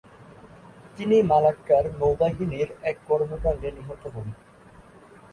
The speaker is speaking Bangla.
তিনি মালাক্কার নৌবাহিনীর এক কর্মকাণ্ডে নিহত হন।